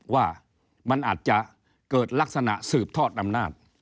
ว่ามันอาจจะเกิดลักษณะสืบทอดอำนาจ